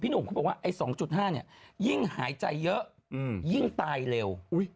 หนุ่มเขาบอกว่าไอ้๒๕เนี่ยยิ่งหายใจเยอะยิ่งตายเร็ว